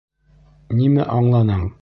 Нимә аңланың?